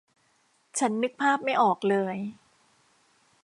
ฉันนึกภาพไม่ออกเลย